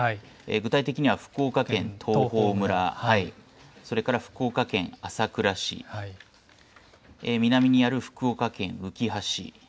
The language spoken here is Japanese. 具体的には福岡県東峰村、それから福岡県朝倉市、南にある福岡県うきは市。